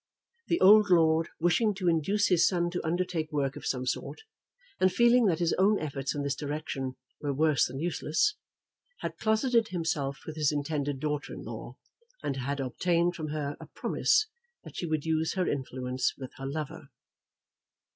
The old lord, wishing to induce his son to undertake work of some sort, and feeling that his own efforts in this direction were worse than useless, had closeted himself with his intended daughter in law, and had obtained from her a promise that she would use her influence with her lover.